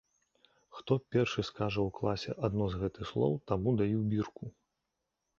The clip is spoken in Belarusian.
Хто першы скажа ў класе адно з гэтых слоў, таму даю бірку.